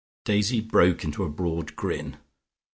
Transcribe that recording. Daisy broke into a broad grin.